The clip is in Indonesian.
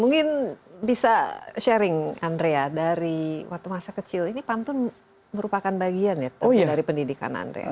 mungkin bisa sharing andrea dari waktu masa kecil ini pantun merupakan bagian ya dari pendidikan andrea